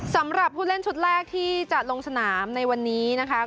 สำหรับผู้เล่นชุดแรกที่จะลงสนามในวันนี้นะคะ